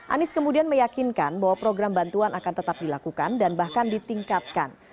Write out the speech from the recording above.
anies kemudian meyakinkan bahwa program bantuan akan tetap dilakukan dan bahkan ditingkatkan